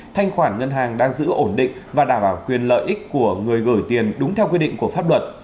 thanh khoản ngân hàng đang giữ ổn định và đảm bảo quyền lợi ích của người gửi tiền đúng theo quy định của pháp luật